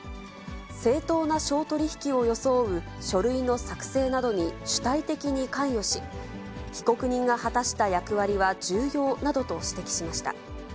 正当な商取引を装う書類の作成などに主体的に関与し、被告人が果たした役割は重要などと指摘しました。